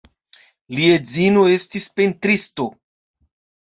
Lia edzino estis pentristo.